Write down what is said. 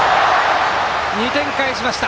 ２点返しました！